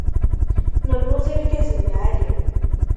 Nelluẓ irgazen lɛali.